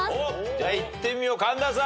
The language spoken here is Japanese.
じゃあいってみよう神田さん。